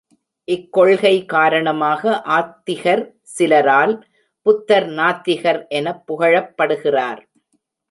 இக்கொள்கை காரணமாக ஆத்திகர் சிலரால் புத்தர் நாத்திகர் எனப் புகழப்படுகிறார்.